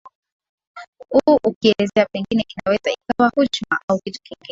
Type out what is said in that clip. uu akielezea pengine inaweza ikawa hujma au kitu kingine